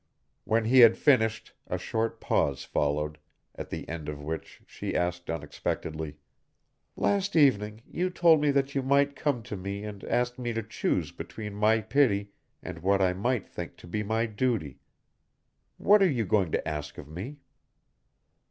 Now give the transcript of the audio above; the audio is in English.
When he had finished, a short pause followed, at the end of which she asked unexpectedly, "Last evening you told me that you might come to me and ask me to choose between my pity and what I might think to be my duty. What are you going to ask of me?"